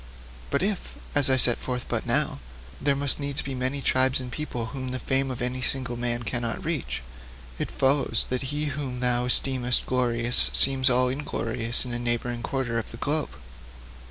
But if, as I set forth but now, there must needs be many tribes and peoples whom the fame of any single man cannot reach, it follows that he whom thou esteemest glorious seems all inglorious in a neighbouring quarter of the globe.